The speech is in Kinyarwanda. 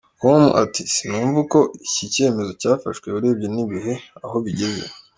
com ati : “Sinumva uko iki cyemezo cyafashwe urebye n’ibihe aho bigeze.